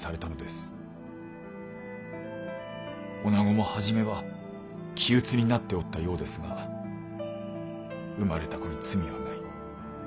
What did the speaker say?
女子も初めは気鬱になっておったようですが生まれた子に罪はない。